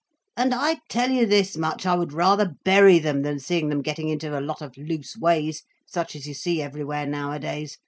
"And I tell you this much, I would rather bury them, than see them getting into a lot of loose ways such as you see everywhere nowadays.